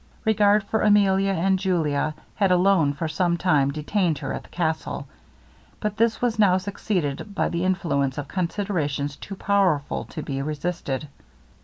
Regard for Emilia and Julia had alone for some time detained her at the castle; but this was now succeeded by the influence of considerations too powerful to be resisted.